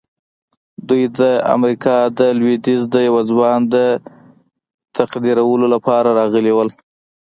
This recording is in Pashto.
دوی د امریکا د لويديځ د یوه ځوان د تقدیرولو لپاره راغلي وو